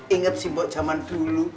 ingat si mbok zaman dulu